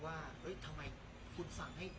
ว่าเฮ้ยทำไมคุณสั่งให้